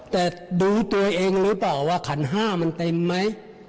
แต่ดูตัวเองหรือเปล่าว่าขันห้ามันเต็มไหม